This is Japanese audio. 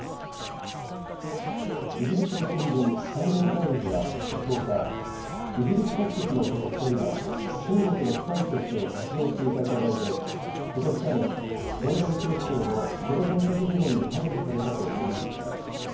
イギリスの新聞、サンデー・タイムズは１０日、イギリス国籍の男２人が、中国のスパイとして活動していた疑いでことし３月、ロンドン警視庁のテロ対策部門に逮捕されたと報じました。